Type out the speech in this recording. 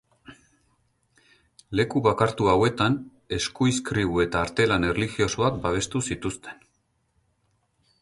Leku bakartu hauetan eskuizkribu eta artelan erlijiosoak babestu zituzten.